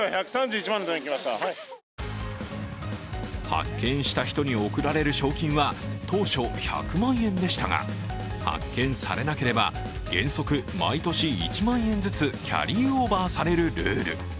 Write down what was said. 発見した人に贈られる賞金は当初１００万円でしたが、発見されなければ、原則毎年１万円ずつキャリーオーバーされるルール。